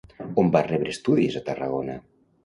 On va rebre estudis a Tarragona?